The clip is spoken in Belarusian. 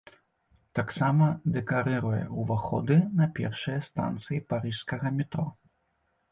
Таксама дэкарыруе ўваходы на першыя станцыі парыжскага метро.